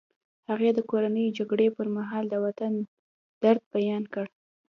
هغې د کورنیو جګړو پر مهال د وطن درد بیان کړ